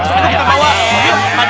mendingan dicabut pak d